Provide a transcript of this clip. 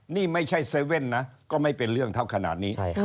นี่ไม่ใช่๗๑๑นะก็ไม่เป็นเรื่องเท่าขนาดนี้